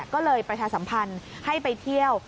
ก็เลยประชาสัมพันธ์ให้ไปเที่ยว